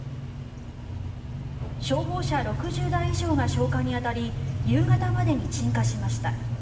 消防車６０台以上が消火に当たり夕方までに鎮火しました。